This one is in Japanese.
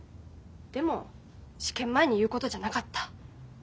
でも試験前に言うことじゃなかった。